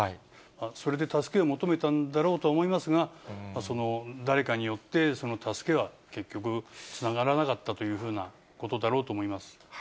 それで助けを求めたんだろうとは思いますが、その誰かによって、助けは結局つながらなかったというふうなことだろうと思います。